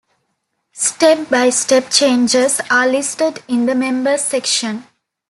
Step-by-step changes are listed in the Members section.